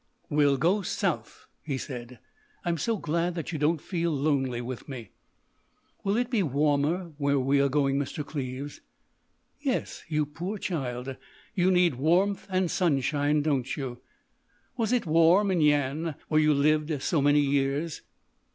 "We'll go South," he said.... "I'm so glad that you don't feel lonely with me." "Will it be warmer where we are going, Mr. Cleves?" "Yes—you poor child! You need warmth and sunshine, don't you? Was it warm in Yian, where you lived so many years?"